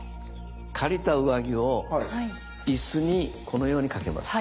借りた上着を椅子にこのように掛けます。